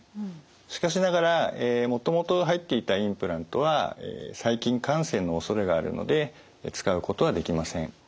しかしながらもともと入っていたインプラントは細菌感染のおそれがあるので使うことはできません。